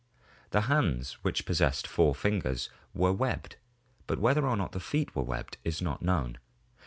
The hands, which possessed four fingers, were webbed, but whether or not the feet were webbed is not known.